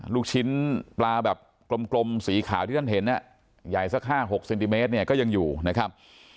ลูกชิ้นปลาแบบกลมสีขาวที่ท่านเห็นใหญ่สัก๕๖เซนติเมตรเนี่ยก็ยังอยู่นะครับ